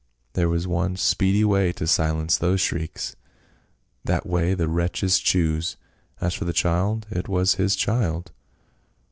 There was one speedy way to silence those shrieks, that way the wretches chose. As for the child; it was his child."